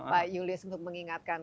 pak julius untuk mengingatkan